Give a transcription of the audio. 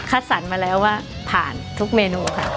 สรรมาแล้วว่าผ่านทุกเมนูค่ะ